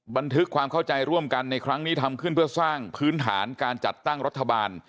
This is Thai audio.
บันทึกความเข้าใจร่วมกันในครั้งนี้ทำขึ้นเพื่อสร้างพื้นฐานการจัดตั้งรัฐบาล